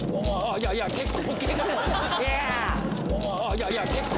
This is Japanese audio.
いやいや結構結構。